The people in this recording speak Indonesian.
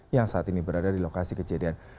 yang saat ini berada di lokasi kejadian